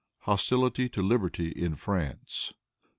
Hostility to Liberty in France.